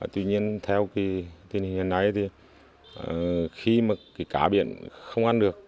tuy nhiên theo tình hình này thì khi mà cá biển không ăn được